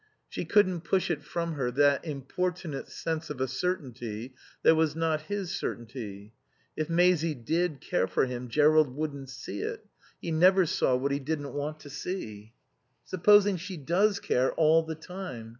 She couldn't push it from her, that importunate sense of a certainty that was not his certainty. If Maisie did care for him Jerrold wouldn't see it. He never saw what he didn't want to see. "Supposing she does care all the time?